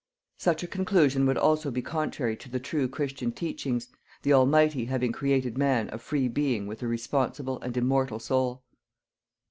Such a conclusion would also be contrary to true Christian teachings, the Almighty having created man a free being with a responsible and immortal soul.